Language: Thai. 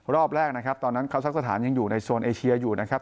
รอบแรกนะครับตอนนั้นคาซักสถานยังอยู่ในโซนเอเชียอยู่นะครับ